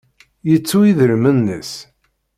Yettu idrimen-nnes?